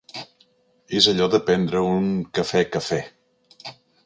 És allò de prendre un cafè cafè.